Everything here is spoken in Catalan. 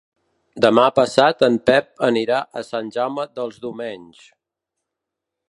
Demà passat en Pep anirà a Sant Jaume dels Domenys.